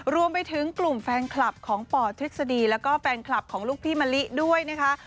รวมไปถึงกลุ่มแฟนคลับของปทฤษฎีแล้วก็แฟนคลับของลูกพี่มะลิด้วยนะคะ